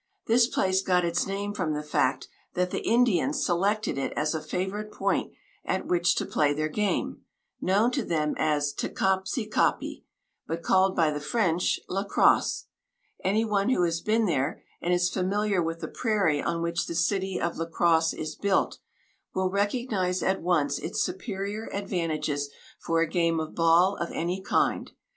This place got its name from the fact that the Indians selected it as a favorite point at which to play their game, known to them as "Ta kap si ka pi," but called by the French, "La Crosse." Anyone who has been there, and is familiar with the prairie on which the city of La Crosse is built, will recognize at once its superior advantages for a game of ball of any kind.